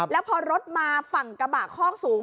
แล้วพอรถมาฝั่งกระบะคอกสูง